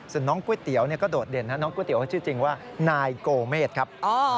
ส่วนน้องก๋วยเตี๋ยวก็โดดเด่นน้องก๋วชื่อจริงว่านายโกเมษครับ